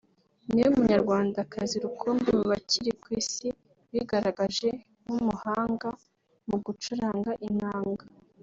ni we Munyarwandakazi rukumbi mu bakiri ku Isi wigaragaje nk’umuhanga mu gucuranga inanga